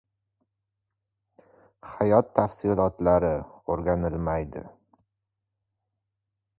“hayot tafsilotlari” oʻrganilmaydi.